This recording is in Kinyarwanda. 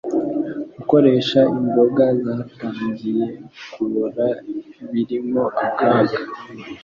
[Gukoresha imboga zatangiye kubora birimo akaga